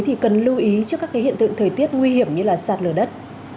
thì cần lưu ý trước các hiện tượng thời tiết nguy hiểm như sạt lửa đất